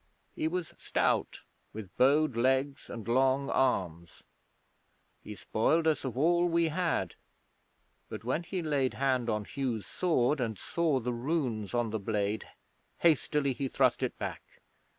He was stout, with bowed legs and long arms. He spoiled us of all we had, but when he laid hand on Hugh's sword and saw the runes on the blade hastily he thrust it back.